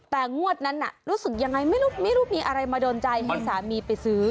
แต่งวดนั้นรู้สึกยังไงไม่รู้มีอะไรมาโดนใจให้สามีไปซื้อ